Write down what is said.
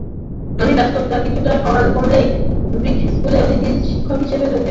সেই ব্যস্ততা কিছুটা কমলেই ব্রিট স্কুলে অতিথি শিক্ষক হিসেবে যোগ দেবেন তিনি।